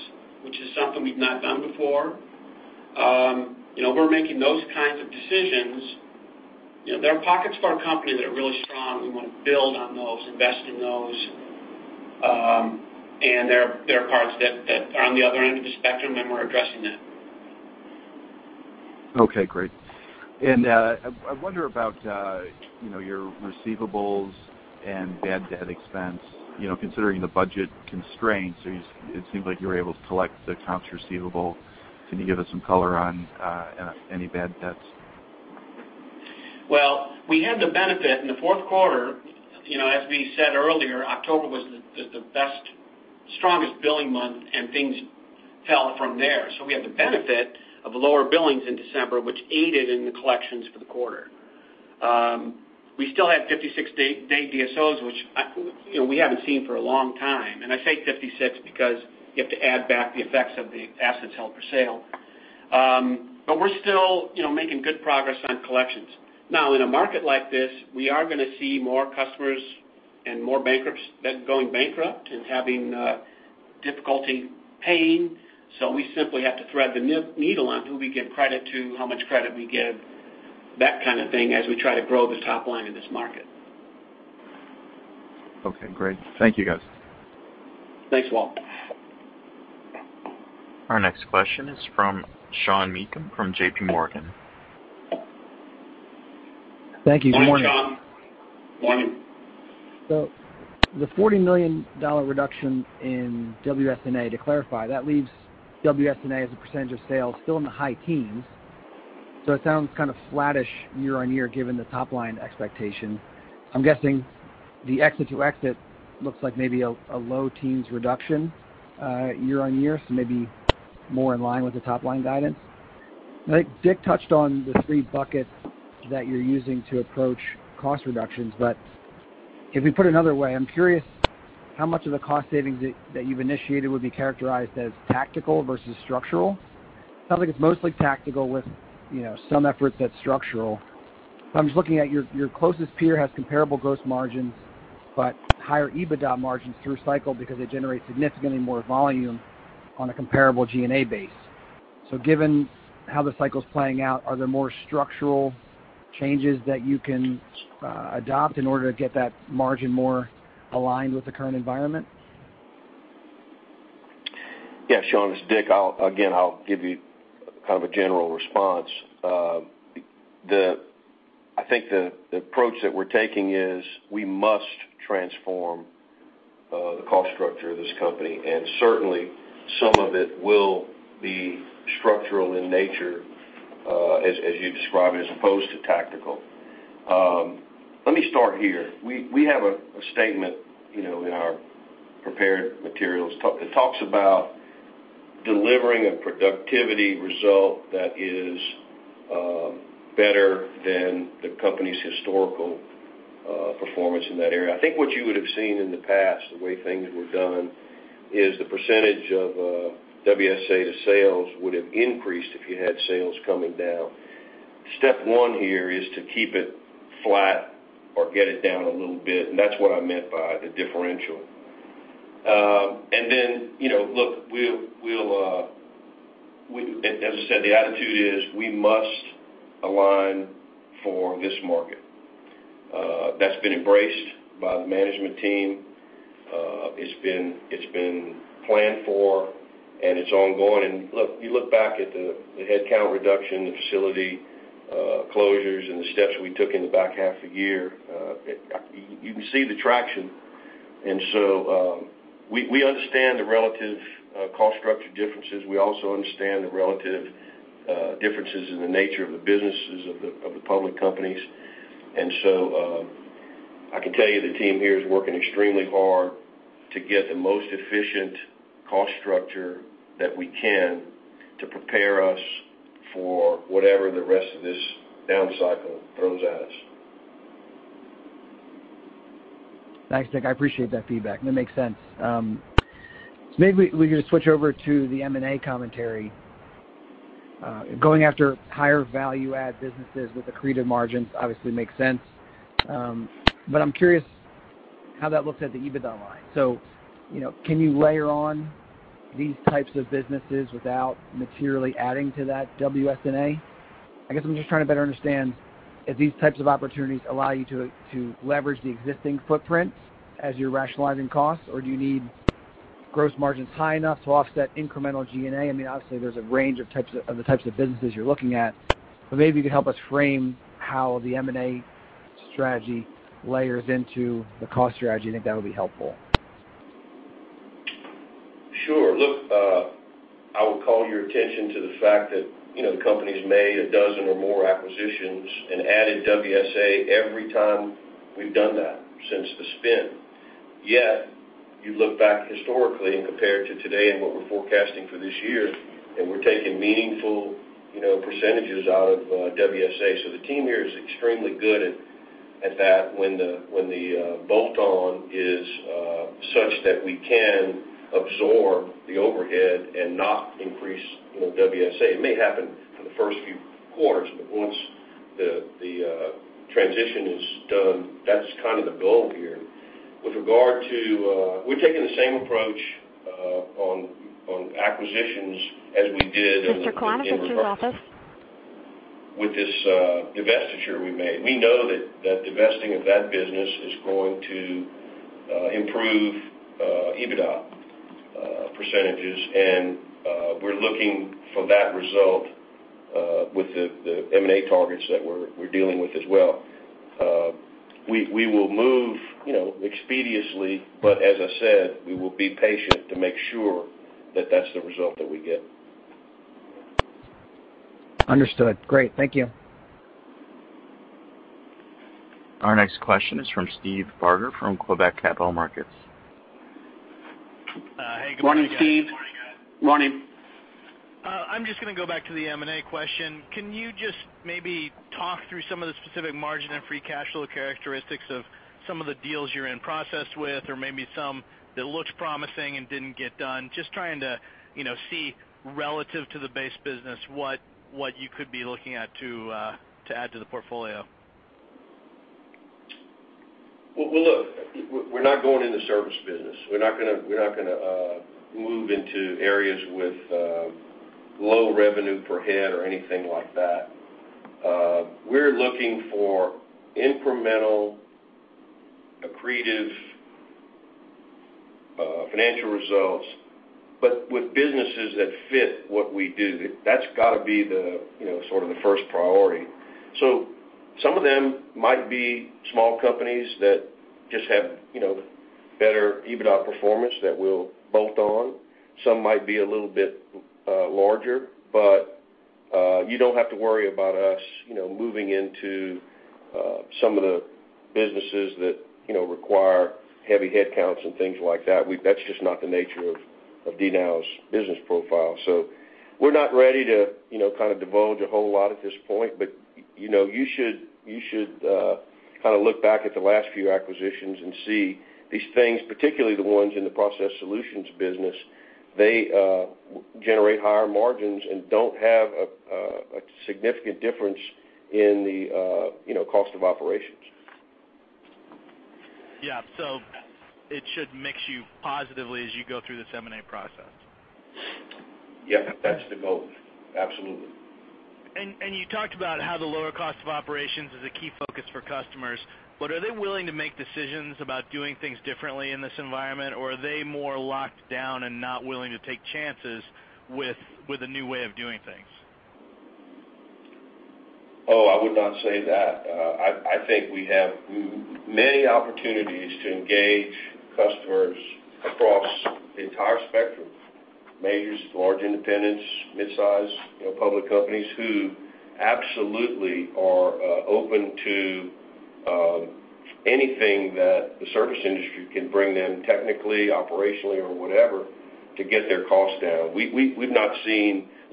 S3: which is something we've not done before. We're making those kinds of decisions. There are pockets of our company that are really strong. We want to build on those, invest in those. There are parts that are on the other end of the spectrum, and we're addressing that.
S5: Okay, great. I wonder about your receivables and bad debt expense. Considering the budget constraints, it seems like you were able to collect the accounts receivable. Can you give us some color on any bad debts?
S2: Well, we had the benefit in the fourth quarter. As we said earlier, October was the best, strongest billing month, and things fell from there. We had the benefit of lower billings in December, which aided in the collections for the quarter. We still had 56-day DSOs, which we haven't seen for a long time. I say 56 because you have to add back the effects of the assets held for sale. We're still making good progress on collections. Now, in a market like this, we are going to see more customers going bankrupt. Difficulty paying. We simply have to thread the needle on who we give credit to, how much credit we give, that kind of thing, as we try to grow the top line in this market.
S5: Okay, great. Thank you, guys.
S3: Thanks, Walt.
S1: Our next question is from Sean Meakim from JPMorgan.
S6: Thank you. Good morning.
S3: Morning, Sean. Morning.
S6: The $40 million reduction in WSNA, to clarify, that leaves WSNA as a % of sales still in the high teens. It sounds kind of flattish year-on-year given the top-line expectation. I'm guessing the exit-to-exit looks like maybe a low teens reduction year-on-year, so maybe more in line with the top-line guidance. I think Dick touched on the three buckets that you're using to approach cost reductions. If we put it another way, I'm curious how much of the cost savings that you've initiated would be characterized as tactical versus structural? Sounds like it's mostly tactical with some efforts that's structural. I'm just looking at your closest peer has comparable gross margins, but higher EBITDA margins through cycle because they generate significantly more volume on a comparable G&A base. Given how the cycle's playing out, are there more structural changes that you can adopt in order to get that margin more aligned with the current environment?
S3: Sean, this is Dick. Again, I'll give you kind of a general response. I think the approach that we're taking is we must transform the cost structure of this company. Certainly, some of it will be structural in nature, as you describe it, as opposed to tactical. Let me start here. We have a statement in our prepared materials. It talks about delivering a productivity result that is better than the company's historical performance in that area. I think what you would've seen in the past, the way things were done, is the percentage of WSA to sales would've increased if you had sales coming down. Step one here is to keep it flat or get it down a little bit, and that's what I meant by the differential. Then, look, as I said, the attitude is we must align for this market. That's been embraced by the management team. It's been planned for, and it's ongoing. Look, you look back at the headcount reduction, the facility closures, and the steps we took in the back half of the year, you can see the traction. We understand the relative cost structure differences. We also understand the relative differences in the nature of the businesses of the public companies. I can tell you the team here is working extremely hard to get the most efficient cost structure that we can to prepare us for whatever the rest of this down cycle throws at us.
S6: Thanks, Dick. I appreciate that feedback. That makes sense. Maybe we can switch over to the M&A commentary. Going after higher value add businesses with accretive margins obviously makes sense. I'm curious how that looks at the EBITDA line. Can you layer on these types of businesses without materially adding to that WSNA? I guess I'm just trying to better understand if these types of opportunities allow you to leverage the existing footprint as you're rationalizing costs, or do you need gross margins high enough to offset incremental G&A? Obviously, there's a range of the types of businesses you're looking at, maybe you could help us frame how the M&A strategy layers into the cost strategy. I think that'll be helpful.
S3: Sure. Look, I would call your attention to the fact that the company's made a dozen or more acquisitions and added WSA every time we've done that since the spin. You look back historically and compare it to today and what we're forecasting for this year, and we're taking meaningful percentages out of WSA. The team here is extremely good at that when the bolt-on is such that we can absorb the overhead and not increase WS. It may happen for the first few quarters, but once the transition is done, that's kind of the goal here. With regard to, we're taking the same approach on acquisitions as we did on the
S1: Mr. Klein of the trust office.
S3: with this divestiture we made. We know that divesting of that business is going to improve EBITDA percentages, and we're looking for that result with the M&A targets that we're dealing with as well. We will move expeditiously, but as I said, we will be patient to make sure that that's the result that we get.
S6: Understood. Great. Thank you.
S1: Our next question is from Steve Barger from KeyBanc Capital Markets.
S7: Hey, good morning guys.
S3: Morning, Steve. Morning.
S7: I'm just going to go back to the M&A question. Can you just maybe talk through some of the specific margin and free cash flow characteristics of some of the deals you're in process with, or maybe some that looked promising and didn't get done? Just trying to see relative to the base business what you could be looking at to add to the portfolio.
S3: Well, look, we're not going in the service business. We're not going to move into areas with low revenue per head or anything like that. We're looking for incremental, accretive financial results, but with businesses that fit what we do. That's got to be the first priority. Some of them might be small companies that just have better EBITDA performance that we'll bolt on. Some might be a little bit larger, but you don't have to worry about us moving into some of the businesses that require heavy headcounts and things like that. That's just not the nature of DNOW's business profile. We're not ready to divulge a whole lot at this point. You should look back at the last few acquisitions and see these things, particularly the ones in the Process Solutions business. They generate higher margins and don't have a significant difference in the cost of operations.
S7: Yeah. It should mix you positively as you go through this M&A process.
S3: Yep. That's the goal. Absolutely.
S7: You talked about how the lower cost of operations is a key focus for customers, but are they willing to make decisions about doing things differently in this environment? Or are they more locked down and not willing to take chances with a new way of doing things?
S3: I would not say that. I think we have many opportunities to engage customers across the entire spectrum, majors, large independents, midsize, public companies, who absolutely are open to anything that the service industry can bring them technically, operationally, or whatever, to get their costs down.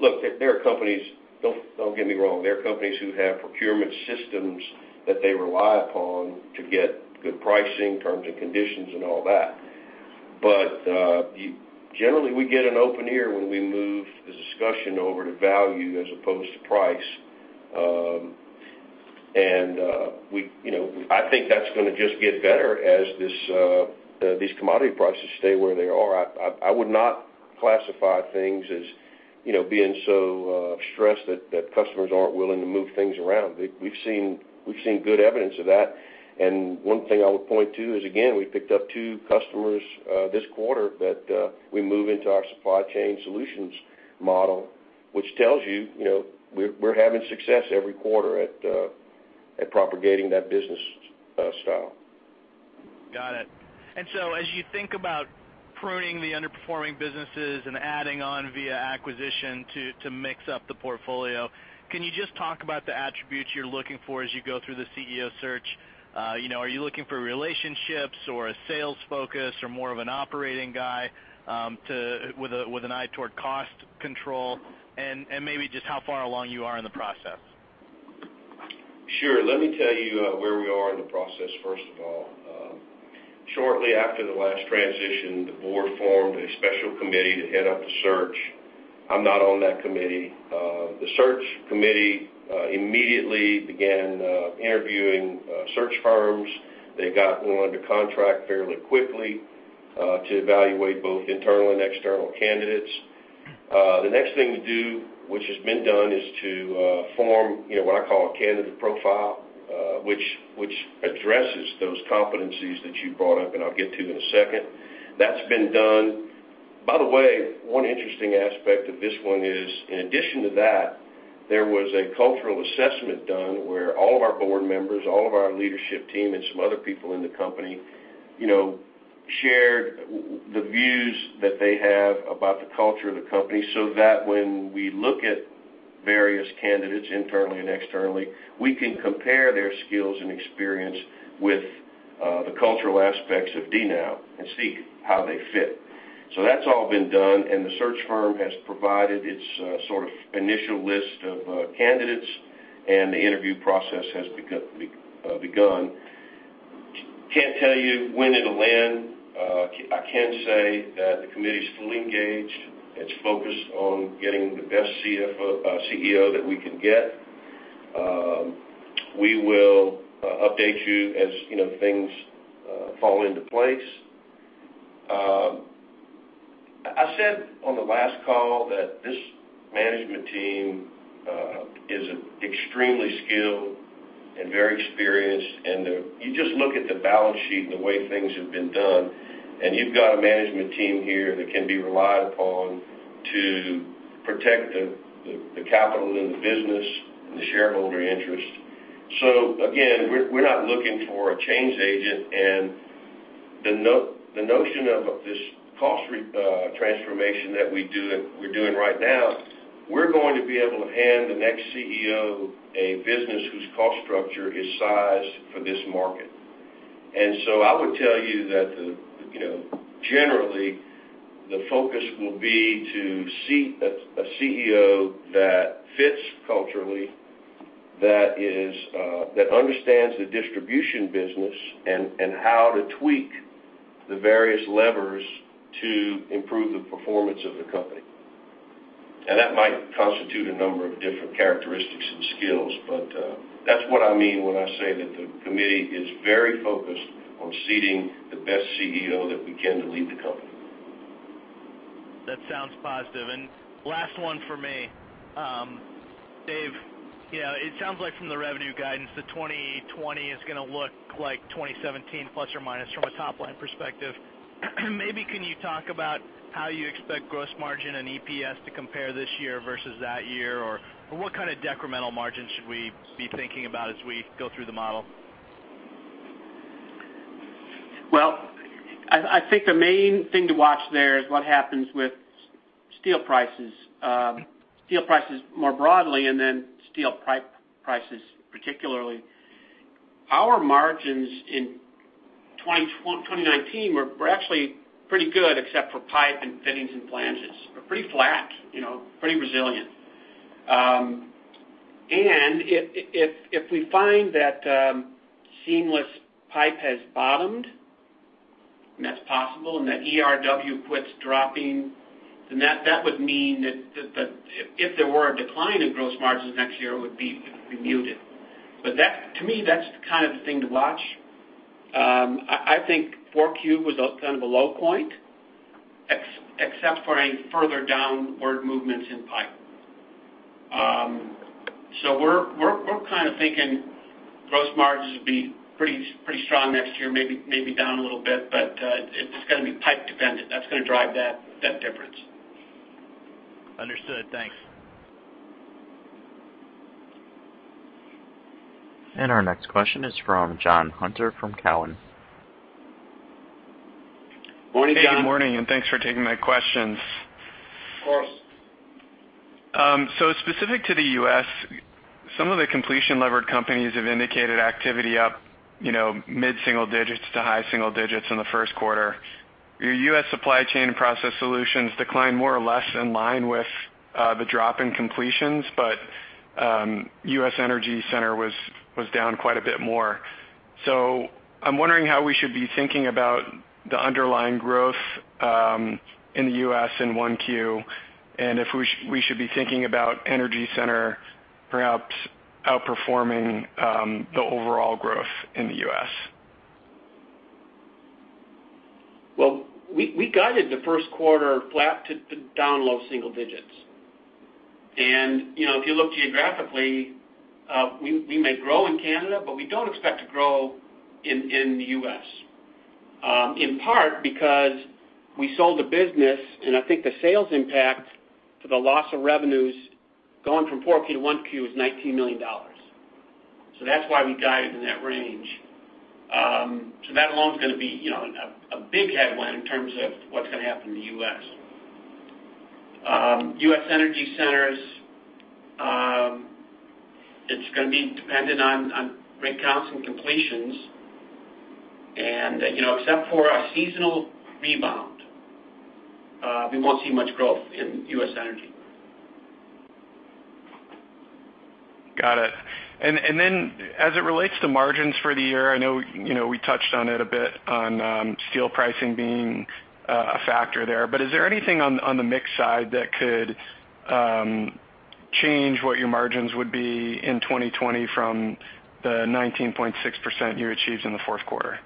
S3: Look, there are companies. Don't get me wrong. There are companies who have procurement systems that they rely upon to get good pricing, terms and conditions, and all that. Generally, we get an open ear when we move the discussion over to value as opposed to price. I think that's going to just get better as these commodity prices stay where they are. I would not classify things as being so stressed that customers aren't willing to move things around. We've seen good evidence of that. One thing I would point to is, again, we picked up two customers this quarter that we moved into our supply chain solutions model, which tells you we're having success every quarter at propagating that business style.
S7: Got it. As you think about pruning the underperforming businesses and adding on via acquisition to mix up the portfolio, can you just talk about the attributes you're looking for as you go through the CEO search? Are you looking for relationships or a sales focus or more of an operating guy with an eye toward cost control? Maybe just how far along you are in the process.
S3: Sure. Let me tell you where we are in the process, first of all. Shortly after the last transition, the board formed a special committee to head up the search. I'm not on that committee. The search committee immediately began interviewing search firms. They got one under contract fairly quickly to evaluate both internal and external candidates. The next thing to do, which has been done, is to form what I call a candidate profile which addresses those competencies that you brought up, and I'll get to in a second. That's been done. By the way, one interesting aspect of this one is, in addition to that, there was a cultural assessment done where all of our board members, all of our leadership team, and some other people in the company shared the views that they have about the culture of the company, so that when we look at various candidates internally and externally, we can compare their skills and experience with the cultural aspects of DNOW and see how they fit. That's all been done, and the search firm has provided its initial list of candidates, and the interview process has begun. Can't tell you when it'll land. I can say that the committee's fully engaged. It's focused on getting the best CEO that we can get. We will update you as things fall into place. I said on the last call that this management team is extremely skilled and very experienced, and you just look at the balance sheet and the way things have been done, and you've got a management team here that can be relied upon to protect the capital in the business and the shareholder interest. Again, we're not looking for a change agent. The notion of this cost transformation that we're doing right now, we're going to be able to hand the next CEO a business whose cost structure is sized for this market. I would tell you that generally, the focus will be to seat a CEO that fits culturally, that understands the distribution business, and how to tweak the various levers to improve the performance of the company. That might constitute a number of different characteristics and skills. That's what I mean when I say that the committee is very focused on seating the best CEO that we can to lead the company.
S7: That sounds positive. Last one for me. Dave, it sounds like from the revenue guidance that 2020 is going to look like 2017, ± from a top-line perspective. Maybe can you talk about how you expect gross margin and EPS to compare this year versus that year, or what kind of decremental margin should we be thinking about as we go through the model?
S2: Well, I think the main thing to watch there is what happens with steel prices. Steel prices more broadly, steel pipe prices particularly. Our margins in 2019 were actually pretty good, except for pipe and fittings and flanges. Were pretty flat, pretty resilient. If we find that seamless pipe has bottomed, that's possible, ERW quits dropping, that would mean that if there were a decline in gross margins next year, it would be muted. To me, that's kind of the thing to watch. I think 4Q was kind of a low point, except for any further downward movements in pipe. We're kind of thinking gross margins will be pretty strong next year, maybe down a little bit, it's going to be pipe dependent. That's going to drive that difference.
S7: Understood. Thanks.
S1: Our next question is from John Hunter from Cowen.
S3: Morning, John.
S8: Hey, good morning, and thanks for taking my questions.
S2: Of course.
S8: Specific to the U.S., some of the completion levered companies have indicated activity up mid-single digits to high single digits in the first quarter. Your U.S. Supply Chain and Process Solutions declined more or less in line with the drop in completions, but U.S. Energy Center was down quite a bit more. I'm wondering how we should be thinking about the underlying growth in the U.S. in 1Q, and if we should be thinking about Energy Center perhaps outperforming the overall growth in the U.S.
S2: We guided the first quarter flat to down low single digits. If you look geographically, we may grow in Canada, but we don't expect to grow in the U.S. In part because we sold a business, and I think the sales impact to the loss of revenues going from 4P to 1Q is $19 million. That's why we guided in that range. That alone is going to be a big headline in terms of what's going to happen in the U.S. US Energy Centers, it's going to be dependent on rig counts and completions. Except for a seasonal rebound, we won't see much growth in US Energy.
S8: Got it. Then as it relates to margins for the year, I know we touched on it a bit on steel pricing being a factor there. Is there anything on the mix side that could change what your margins would be in 2020 from the 19.6% you achieved in the fourth quarter?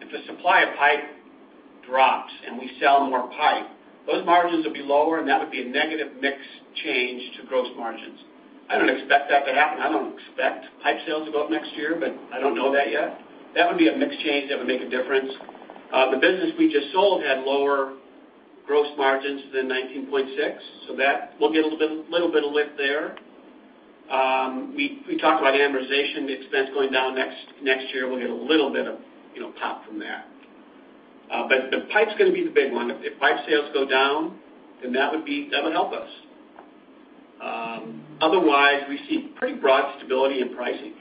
S2: If the supply of pipe drops and we sell more pipe, those margins would be lower, and that would be a negative mix change to gross margins. I don't expect that to happen. I don't expect pipe sales to go up next year, but I don't know that yet. That would be a mix change that would make a difference. The business we just sold had lower gross margins than 19.6, so we'll get a little bit of lift there. We talked about amortization expense going down next year. We'll get a little bit of pop from that. The pipe's going to be the big one. If pipe sales go down, then that would help us. Otherwise, we see pretty broad stability in pricing.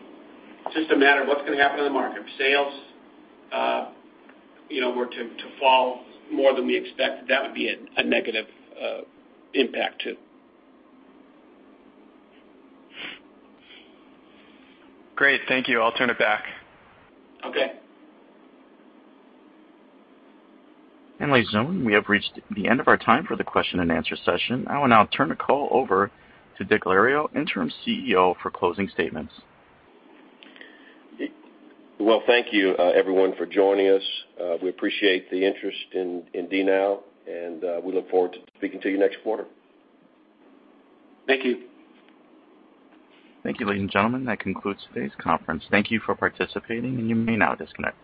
S2: It's just a matter of what's going to happen in the market. If sales were to fall more than we expect, that would be a negative impact, too.
S8: Great. Thank you. I'll turn it back.
S2: Okay.
S1: Ladies and gentlemen, we have reached the end of our time for the question and answer session. I will now turn the call over to Dick Alario, Interim CEO, for closing statements.
S3: Well, thank you everyone for joining us. We appreciate the interest in DNOW, and we look forward to speaking to you next quarter.
S2: Thank you.
S1: Thank you, ladies and gentlemen. That concludes today's conference. Thank you for participating, and you may now disconnect.